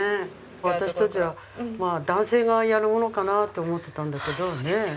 私たちはまあ男性がやるものかなと思ってたんだけどね。